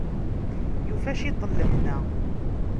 Yufa ciṭ n lehna.